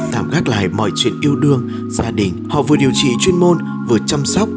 tạm gác lại mọi chuyện yêu đương gia đình họ vừa điều trị chuyên môn vừa chăm sóc